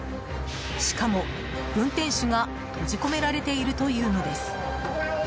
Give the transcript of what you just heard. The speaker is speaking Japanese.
しかも、運転手が閉じ込められているというのです。